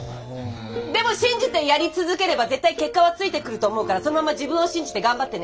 でも信じてやり続ければ絶対結果はついてくると思うからそのまま自分を信じて頑張ってね。